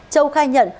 châu khai nhận